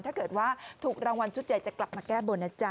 ถ้าเกิดว่าถูกรางวัลชุดใหญ่จะกลับมาแก้บนนะจ๊